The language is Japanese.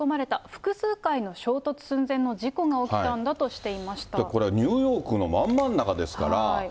複数回の衝突寸前の事故が起きたこれニューヨークの真ん真ん中ですから。